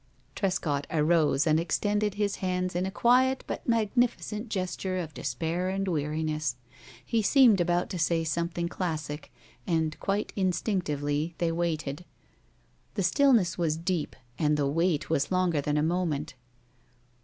Trescott arose and extended his hands in a quiet but magnificent gesture of despair and weariness. He seemed about to say something classic, and, quite instinctively, they waited. The stillness was deep, and the wait was longer than a moment.